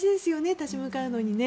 立ち向かうのにね。